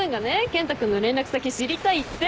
健人君の連絡先知りたいって。